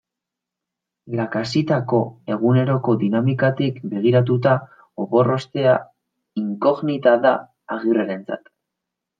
Lakaxitako eguneroko dinamikatik begiratuta, opor ostea inkognita da Agirrerentzat.